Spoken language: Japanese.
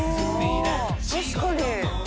「確かに」